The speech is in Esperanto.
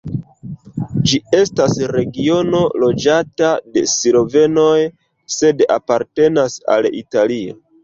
Ĝi estas regiono loĝata de slovenoj sed apartenas al Italio.